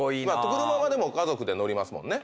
車はでも家族で乗りますもんね。